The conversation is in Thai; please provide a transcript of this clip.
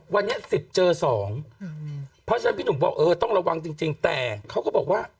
วันนี้๑๐เจอ๒เพราะฉะนั้นพี่หนุ่มบอกเออต้องระวังจริงแต่เขาก็บอกว่า